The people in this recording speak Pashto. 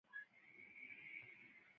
د فوتسال بریا دې ټول هېواد ته مبارک وي.